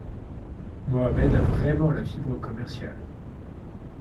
Mohamed a vraiment la fibre commerciale.